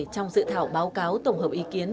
trong dự thảo báo cáo tổng hợp ý kiến